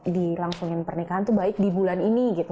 dilangsungin pernikahan itu baik di bulan ini gitu